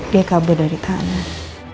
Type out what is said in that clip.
dia kabur dari tanah